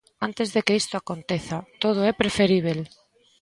Antes de que isto aconteza, todo é preferíbel.